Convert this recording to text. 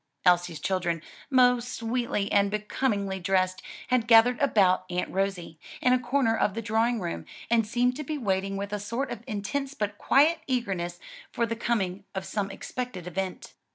Elsie's children, most sweetly and becomingly dressed, had gathered about "Aunt Rosie," in a corner of the drawing room, and seemed to be waiting with a sort of intense but quiet eagerness for the coming of some expected event.